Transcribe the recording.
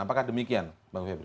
apakah demikian bang febri